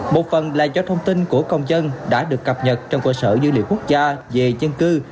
một phần là do thông tin của công dân đã được cập nhật trong cơ sở dữ liệu quốc gia về dân cư